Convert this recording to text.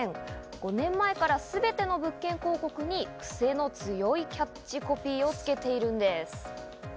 ５年前からすべての物件広告にクセの強いキャッチコピーをつけているんです。